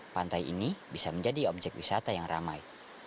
pantai ini bisa menjadi objek wisata yang ramai